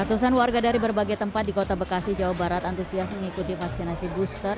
ratusan warga dari berbagai tempat di kota bekasi jawa barat antusias mengikuti vaksinasi booster